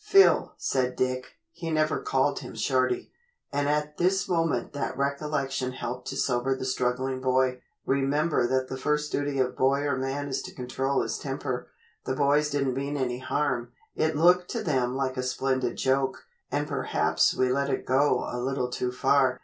"Phil," said Dick he never called him Shorty, and at this moment that recollection helped to sober the struggling boy "remember that the first duty of boy or man is to control his temper. The boys didn't mean any harm. It looked to them like a splendid joke, and perhaps we let it go a little too far.